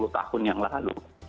sepuluh tahun yang lalu